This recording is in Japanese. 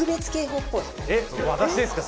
えっ私ですか？